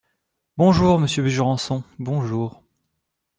Bonjour, monsieur Jurançon, bonjour.